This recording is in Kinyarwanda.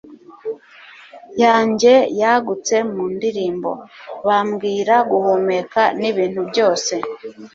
yanjye yagutse mu ndirimbo. bambwira guhumeka nibintu byose